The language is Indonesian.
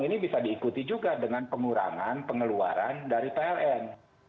ini bisa diikuti juga dengan pengurangan pengeluaran dari pln